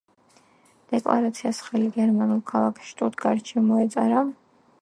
დეკლარაციას ხელი გერმანულ ქალაქ შტუტგარდში მოეწერა.